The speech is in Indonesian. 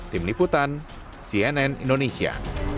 tim liputan cnn indonesia